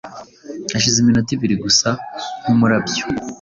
Hashize iminota ibiri gusa, nk’umurabyo,